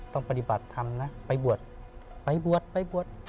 ต้องปฏิบัติธรรมนะไปบวชไปบวชไปบวช